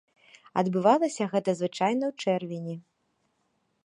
Адбывалася гэта звычайна ў чэрвені.